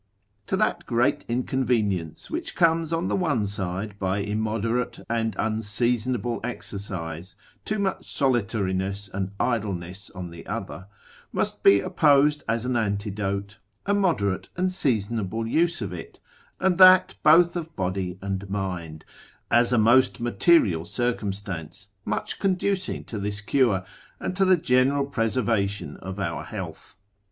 To that great inconvenience, which comes on the one side by immoderate and unseasonable exercise, too much solitariness and idleness on the other, must be opposed as an antidote, a moderate and seasonable use of it, and that both of body and mind, as a most material circumstance, much conducing to this cure, and to the general preservation of our health.